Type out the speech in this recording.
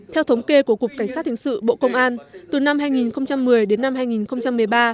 theo thống kê của cục cảnh sát hình sự bộ công an từ năm hai nghìn một mươi đến năm hai nghìn một mươi ba